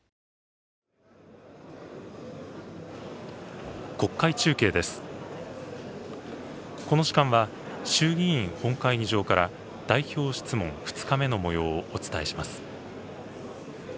この時間は衆議院本会議場から代表質問２日目のもようをお伝えします。